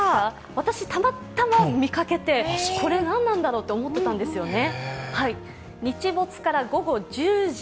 私、たまたま見かけて、これ、何なんだろうと思っていたんですよね。